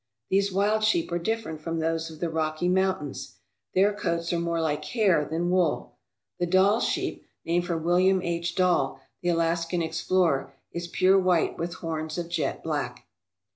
These wild sheep are different from those of the Rocky Mountains. Their coats are more like hair than wool. The Dall sheep, named for William H. Dall, the Alaskan explorer, is pure white with horns of jet black.